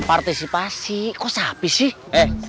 partisipasi kok sapi sih